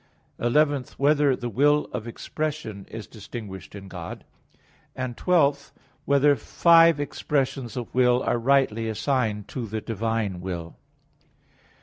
(11) Whether the will of expression is distinguished in God? (12) Whether five expressions of will are rightly assigned to the divine will?